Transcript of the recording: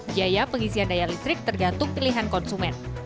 biaya pengisian daya listrik tergantung pilihan konsumen